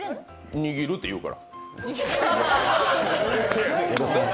握るって言うから。